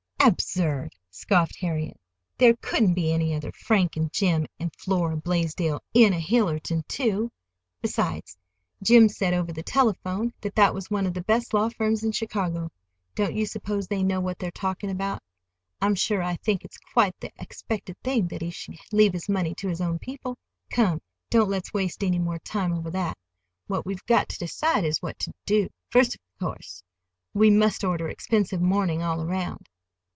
"Absurd!" scoffed Harriet. "There couldn't be any other Frank and Jim and Flora Blaisdell, in a Hillerton, too. Besides, Jim said over the telephone that that was one of the best law firms in Chicago. Don't you suppose they know what they're talking about? I'm sure, I think it's quite the expected thing that he should leave his money to his own people. Come, don't let's waste any more time over that. What we've got to decide is what to do. First, of course, we must order expensive mourning all around."